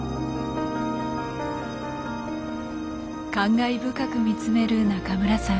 感慨深く見つめる中村さん。